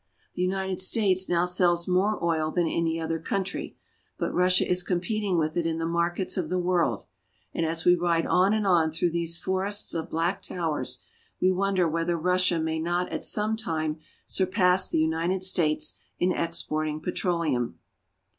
The United States now sells more oil than any other coun try, but Russia is competing with it in the markets of the world ; and as we ride on and on through these forests of black towers, we wonder whether Russia may not at some time surpass the United States in exporting petroleum.